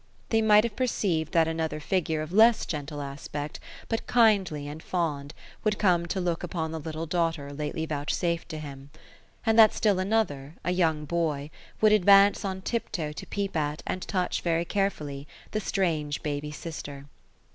They might have perceived that another figure of less gentle aspect, but kindly and fond, would come to look upon the little daughter lately vouchsafed to him ; and that still another, a young boy, would advance on tiptoe to peep at, and touch very care fully, the strange baby sister.